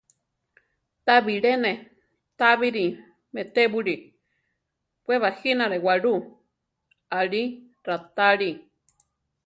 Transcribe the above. Ta bilé ne tábiri meʼtébuli; we bajínare waʼlú, aʼlí raʼtáli.